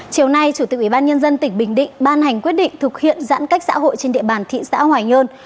chiều nay chủ tịch ủy ban nhân dân tỉnh bình định ban hành quyết định thực hiện giãn cách xã hội trên địa bàn thị xã hoài nhơn